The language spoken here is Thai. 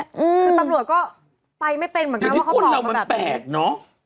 คือตำรวจก็ไปไม่เป็นเหมือนกันว่าเขาบอกว่าแบบนี่